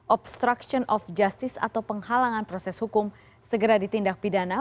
obstruction of justice atau penghalangan proses hukum segera ditindak pidana